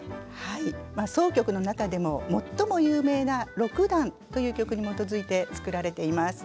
箏曲の中でも最も有名な「六段」という曲に基づいて作られています。